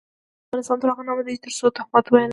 افغانستان تر هغو نه ابادیږي، ترڅو تهمت ویل بند نشي.